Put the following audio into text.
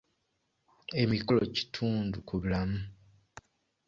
Emikolo kitundu ku bulamu.